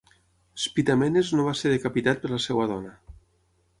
Spitamenes no va ser decapitat per la seva dona.